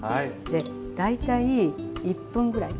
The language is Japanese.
で大体１分ぐらい。